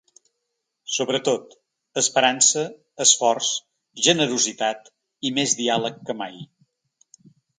Sobretot: esperança, esforç, generositat i més diàleg que mai.